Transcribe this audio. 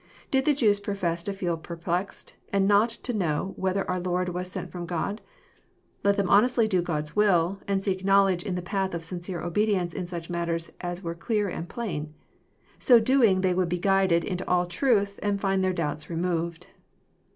Did the Jews pro fess to feel perplexed, and not to know whether our Lord was sent Arom God ? Let them honestly do God's will, and seek knowledge in the path of sincere obedience in such matters as were clear and plain. — So doing they would be guided into all truth, and find their doubts removed.